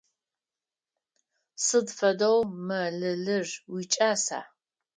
Сыд фэдэу мэлылыр уикӏаса?